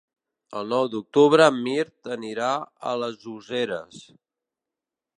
El nou d'octubre en Mirt anirà a les Useres.